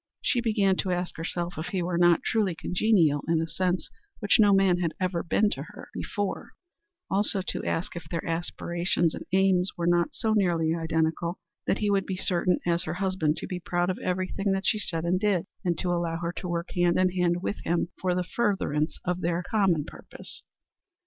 She began to ask herself if he were not truly congenial in a sense which no man had ever been to her before; also, to ask if their aspirations and aims were not so nearly identical that he would be certain as her husband to be proud of everything she did and said, and to allow her to work hand in hand with him for the furtherance of their common purpose.